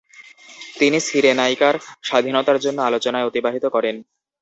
তিনি সিরেনাইকার স্বাধীনতার জন্য আলোচনায় অতিবাহিত করেন।